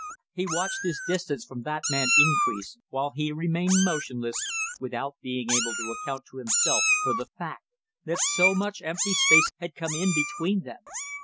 He watched his distance from that man increase, while he remained motionless, without being able to account to himself for the fact that so much empty space had come in between them.